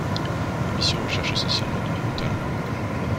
L'émission recherche essentiellement de nouveaux talents.